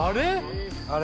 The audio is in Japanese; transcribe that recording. あれ？